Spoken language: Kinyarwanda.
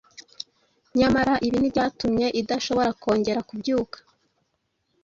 nyamara ibi ntibyatumye idashobora kongera kubyuka.